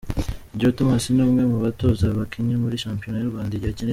Higiro Thomas ni umwe mu batoza bakinnye muri shampiyona y’u Rwanda igihe kinini .